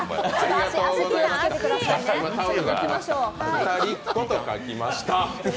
「二人子」と書きました。